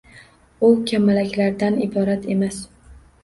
U kamalaklardan iborat emas.